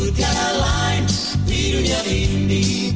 tiada lain di dunia ini